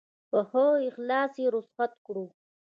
په ښه اخلاص یې رخصت کړو.